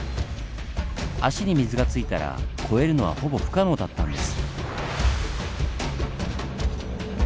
足に水がついたら越えるのはほぼ不可能だったんです。